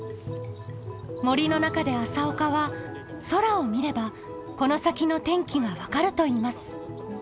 森の中で朝岡は空を見ればこの先の天気が分かると言います。